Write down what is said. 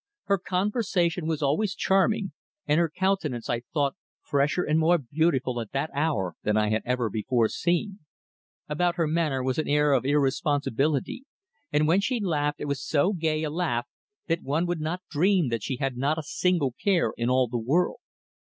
Her conversation was always charming, and her countenance, I thought, fresher and more beautiful at that hour than I had ever before seen. About her manner was an air of irresponsibility, and when she laughed it was so gay a laugh that one would not dream that she had a single care in all the world.